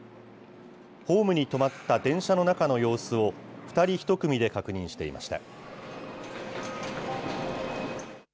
ホームに止まった電車の中の様子を、２人１組で確認していました。